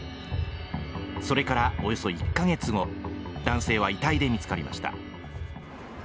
それからおよそ１か月後、男性は遺体で見つかりました。